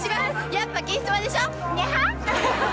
やっぱ「金スマ」でしょニャハッ